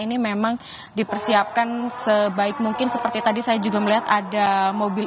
ini memang dipersiapkan sebaik mungkin seperti tadi saya juga melihat ada mobil